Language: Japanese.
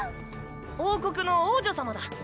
王国の王女様だ。